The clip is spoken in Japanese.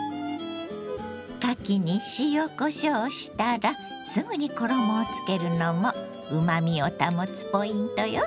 かきに塩こしょうしたらすぐに衣をつけるのもうまみを保つポイントよ。